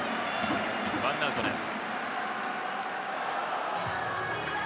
１アウトです。